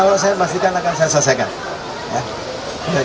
kalau saya pastikan akan saya selesaikan